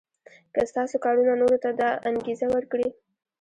که ستاسو کارونه نورو ته دا انګېزه ورکړي.